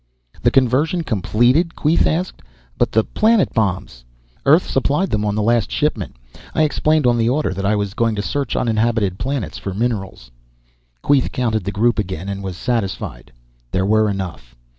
"The conversion completed?" Queeth asked. "But the planet bombs !" "Earth supplied them on the last shipment. I explained on the order that I was going to search uninhabited planets for minerals." Queeth counted the group again, and was satisfied. There were enough.